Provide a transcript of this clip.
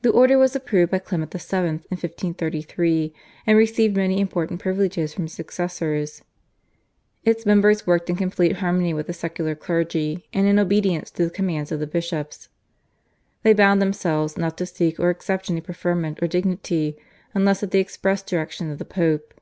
The order was approved by Clement VII. in 1533, and received many important privileges from his successors. Its members worked in complete harmony with the secular clergy and in obedience to the commands of the bishops. They bound themselves not to seek or accept any preferment or dignity unless at the express direction of the Pope.